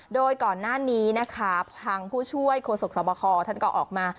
โดยก่อนหน้านี้นะคะทางผู้ช่วยโฆษกสวบคท่านก็ออกมา